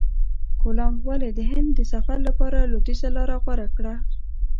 کولمب ولي د هند د سفر لپاره لویدیځه لاره غوره کړه؟